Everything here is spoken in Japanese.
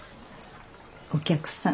お客さん。